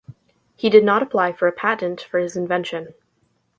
He did not apply for a patent for his invention.